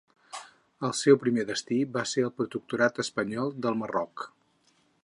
El seu primer destí va ser el protectorat espanyol del Marroc.